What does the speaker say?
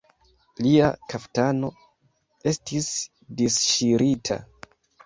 Lia kaftano estis disŝirita.